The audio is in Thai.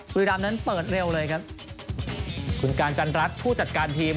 บุรีรามนั้นเปิดเร็วเลยครับคุณการจันรัฐผู้จัดการทีม